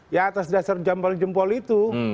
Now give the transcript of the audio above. ya atas dasar jempol jempol itu